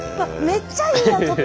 めっちゃいいやん！